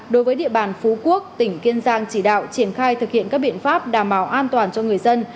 đối với địa bàn phú quốc tỉnh kiên giang chỉ đạo triển khai thực hiện các biện pháp đảm bảo an toàn cho người dân